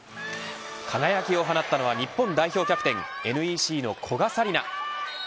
輝きを放ったのは日本代表キャプテンＮＥＣの古賀紗理那。